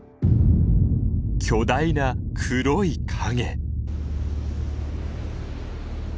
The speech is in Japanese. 巨大な黒い影。